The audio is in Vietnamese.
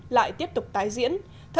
lại tiếp tục tái diễn